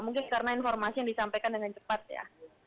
mungkin karena informasi yang disampaikan dengan cepat ya